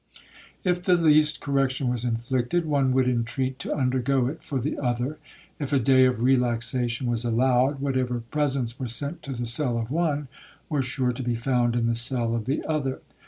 If the least correction was inflicted, one would intreat to undergo it for the other. If a day of relaxation was allowed, whatever presents were sent to the cell of one, were sure to be found in the cell of the other.